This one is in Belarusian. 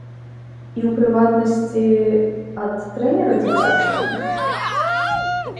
І, у прыватнасці, ад трэнера дзіцячага?